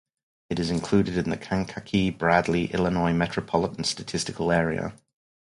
It is included in the Kankakee-Bradley, Illinois Metropolitan Statistical Area.